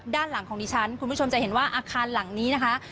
ด้านหลังของดิฉันคุณผู้ชมจะเห็นว่าอาคารหลังนี้นะคะ